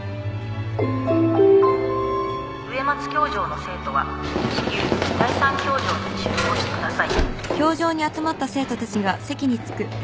植松教場の生徒は至急第３教場に集合してください。